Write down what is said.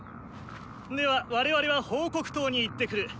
では我々は報告筒に行ってくる。